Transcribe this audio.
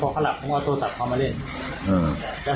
พอเขาหลับผมก็เอาโทรศัพท์เข้ามาเล่น